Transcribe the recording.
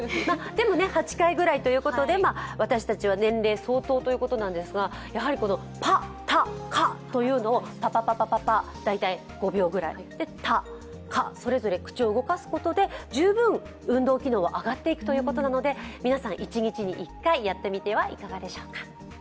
でも８回ぐらいということで私たちは年齢相当ということですが、やはり「パ、タ、カ」というのを大体５秒ぐらい、「パ」、「カ」とそれぞれ口を動かすことで十分運動機能は上がっていくということなので皆さん、一日に１回やってみてはいかがでしょうか。